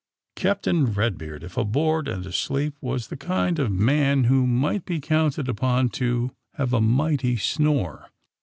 Captain Eed beard, if aboard and asleep, was the kind of man who might be counted upon to have a mighty snore.